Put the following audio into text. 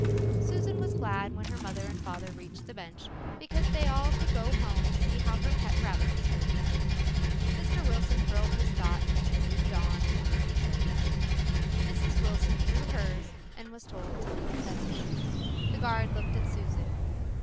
Susan was glad when her mother and father reached the bench because then they all could go home and see how her pet rabbit was doing. Mr. Wilson hurled his thought and moved on with drooping shoulders. Mrs. Wilson threw hers and was told to leave the bench. The guard looked at Susan.